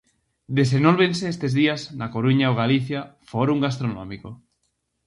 Desenólvense estes días na Coruña o Galicia forum gastronómico.